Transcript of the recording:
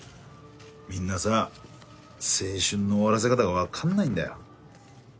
みんなさ青春の終わらせ方がわかんないんだよ。